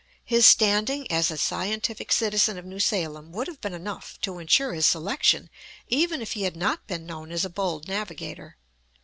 His standing as a scientific citizen of New Salem would have been enough to insure his selection even if he had not been known as a bold navigator.